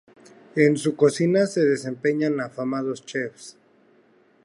En su cocina se desempeñan afamados chefs.